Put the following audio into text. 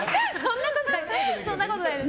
そんなことないです。